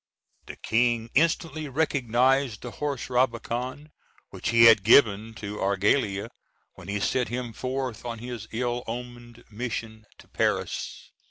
The king instantly recognized the horse Rabican, which he had given to Argalia when he sent him forth on his ill omened mission to Paris.